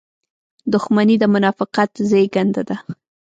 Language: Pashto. • دښمني د منافقت زېږنده ده.